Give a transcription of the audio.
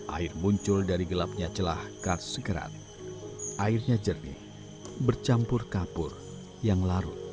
air muncul dari gelapnya celah kars segerat airnya jernih bercampur kapur yang larut